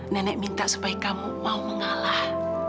nenek minta supaya kamu mau mengalah